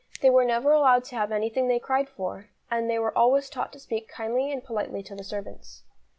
They were never allowed to have anything they cried for, and they were always taught to speak kindly and politely to the servants.